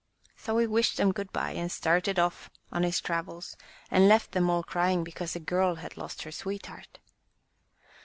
So he wished them good bye, and started off on his travels, and left them all crying because the girl had lost her sweetheart.